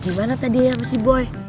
gimana tadi ya apa si boy